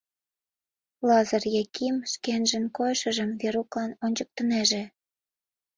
Лазыр Яким шкенжын койышыжым Веруклан ончыктынеже.